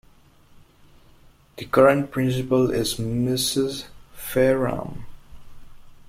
The current principal is Mrs. Fayram.